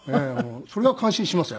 それは感心しますよ